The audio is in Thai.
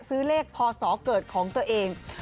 ซื้อเลขพศเกิดของตัวเอง